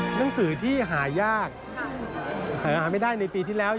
หนังสือที่หายากหาไม่ได้ในปีที่แล้ว